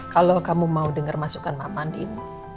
kalau kamu mau dengar masukan mama andin